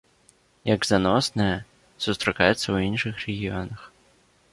Як заносная, сустракаецца ў іншых рэгіёнах.